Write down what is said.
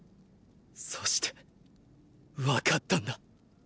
そしてわかったんだ。